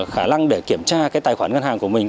khả năng để kiểm tra cái tài khoản ngân hàng của mình